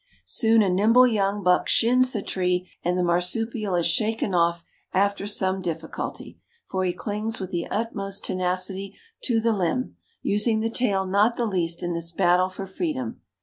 "Soon a nimble young buck shins the tree, and the marsupial is shaken off after some difficulty, for he clings with the utmost tenacity to the limb, using the tail not the least in this battle for freedom.